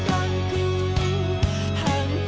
aku di belakangku